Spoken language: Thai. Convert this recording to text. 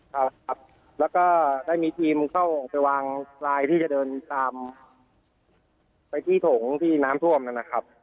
ครับครับแล้วก็ได้มีทีมเข้าไปวางทรายที่จะเดินตามไปที่ถงที่น้ำท่วมนะครับ